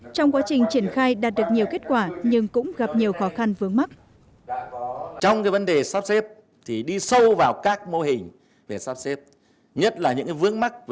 trong quá trình triển khai đạt được nhiều kết quả nhưng cũng gặp nhiều khó khăn vướng mắt